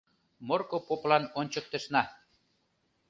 Морко поплан ончыктышна